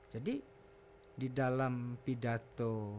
jadi di dalam pidato